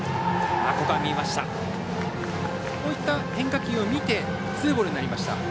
こういった変化球を見てツーボールになりました。